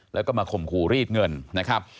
แล้วก็มาข่มขู่รีดเงินนะครับ